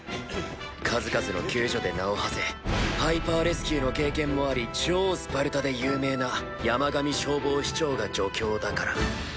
数々の救助で名を馳せハイパーレスキューの経験もあり超スパルタで有名な山上消防士長が助教だから